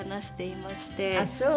あっそう。